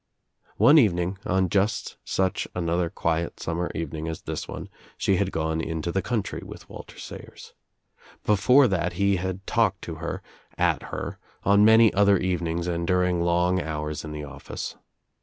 One evening, on just such another quiet summer evening as this one, she had gone into the country with ' Walter Sayers. Before that he had talked to her, at her, on many other evenings and during long hours in the office.